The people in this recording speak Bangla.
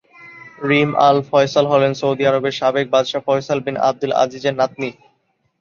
রিম আল ফয়সাল হলেন সৌদি আরবের সাবেক বাদশাহ ফয়সাল বিন আব্দুল আজিজের নাতনী।